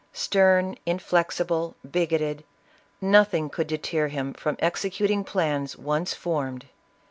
Stern, inflexible, bigoted, nothing could deter him from executing plans once formed.